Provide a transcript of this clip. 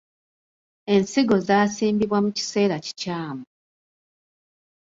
Ensigo zaasimbibwa mu kiseera kikyamu.